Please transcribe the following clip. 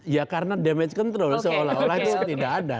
ya karena damage control seolah olah itu tidak ada